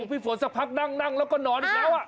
พี่ฝนสักพักนั่งแล้วก็นอนอีกแล้ว